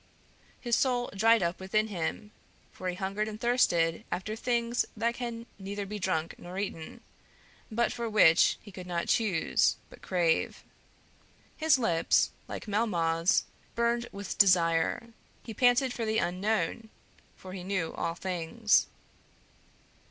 His soul dried up within him, for he hungered and thirsted after things that can neither be drunk nor eaten, but for which he could not choose but crave. His lips, like Melmoth's, burned with desire; he panted for the unknown, for he knew all things.